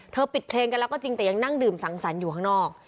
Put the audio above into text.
ปิดเพลงกันแล้วก็จริงแต่ยังนั่งดื่มสังสรรค์อยู่ข้างนอก